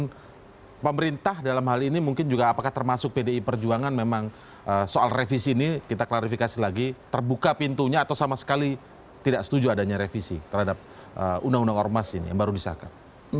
dan pemerintah dalam hal ini mungkin juga apakah termasuk pdi perjuangan memang soal revisi ini kita klarifikasi lagi terbuka pintunya atau sama sekali tidak setuju adanya revisi terhadap undang undang ormas ini yang baru disahkan